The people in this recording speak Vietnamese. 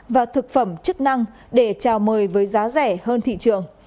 và thực phẩm chức năng để trao mời với giá rẻ hơn thị trường